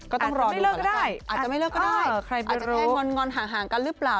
ก็ต้องรอไม่เลิกก็ได้อาจจะไม่เลิกก็ได้อาจจะแค่งอนห่างกันหรือเปล่า